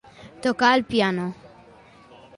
Tocar el piano.